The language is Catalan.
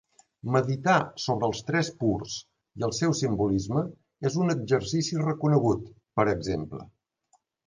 Meditar sobre els Tres Purs i el seu simbolisme és un exercici reconegut, per exemple.